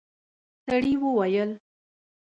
سړي وويل: